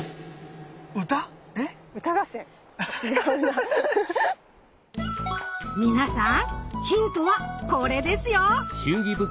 あっ皆さんヒントはこれですよ。